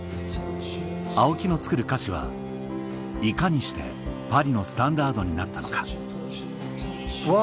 青木の作る菓子はいかにしてパリのスタンダードになったのかうわ！